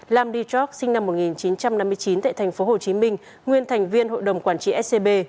lam di tróc sinh năm một nghìn chín trăm năm mươi chín tại tp hcm nguyên thành viên hội đồng quản trị scb